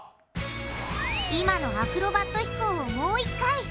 今のアクロバット飛行をもう一回。